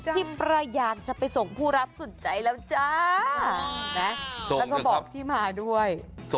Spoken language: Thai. ทีมประอยากจะไปส่งผู้รับสุดใจแล้วจ้าแล้วก็บอกที่มาด้วย